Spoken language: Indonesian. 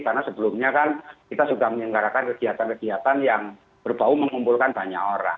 karena sebelumnya kan kita sudah menyelenggarakan kegiatan kegiatan yang berbau mengumpulkan banyak orang